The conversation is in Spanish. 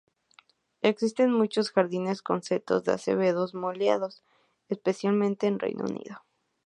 Existen muchos jardines con setos de acebos modelados, especialmente en el Reino Unido.